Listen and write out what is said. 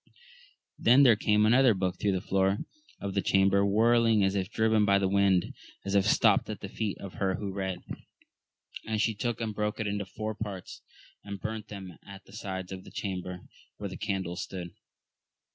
Then there came another book through the floor of the chamber, whirl ing as if driven by the wind, and it stopt at the feet of her who read, and she took and broke it into four parts, and burnt them at the sides of the chamber where the candles stood.